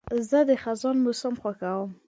زه د خزان موسم خوښوم.